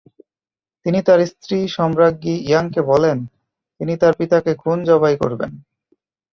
তিনি তার স্ত্রী সম্রাজ্ঞী ইয়াংকে বলেন তিনি তার পিতাকে খুন জবাই করবেন।